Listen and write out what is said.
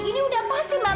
ini udah pasti mbak marta